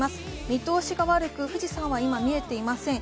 見通しが悪く今、富士山は見えていません。